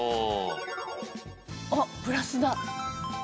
あっプラスだ。